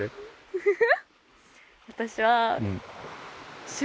フフフ！